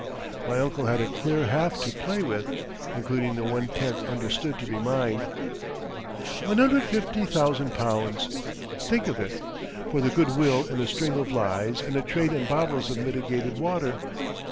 My uncle had a clear half to play with (including the one tenth understood to be mine). £150,000—think of it!—for the goodwill in a string of lies and a trade in bottles of mitigated water!